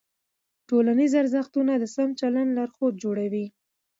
ټولنیز ارزښتونه د سم چلند لارښود جوړوي.